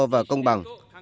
và công bằng